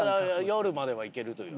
夜まではいけるという。